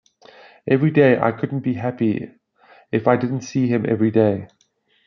Every day. I couldn't be happy if I didn't see him every day.